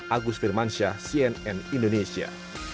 agus firmansyah cnn indonesia